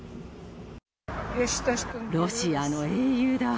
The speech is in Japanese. ロシアの英雄だ。